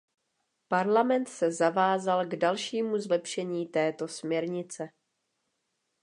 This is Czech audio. Parlament se zavázal k dalšímu zlepšení této směrnice.